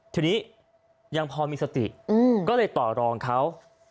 ทีนี้ยังพอมีสติก็เลยต่อรองเขา